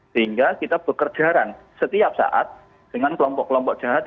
sehingga kita bekerjaran setiap saat dengan kelompok kelompok jahat